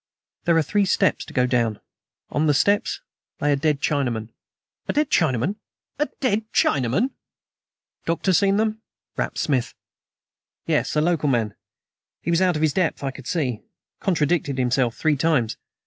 There are three steps to go down. On the steps lay a dead Chinaman." "A dead Chinaman!" "A dead CHINAMAN." "Doctor seen them?" rapped Smith. "Yes; a local man. He was out of his depth, I could see. Contradicted himself three times.